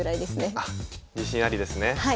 あっ自信ありですね。